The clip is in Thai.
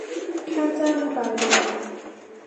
ค่าจ้างรายเดือน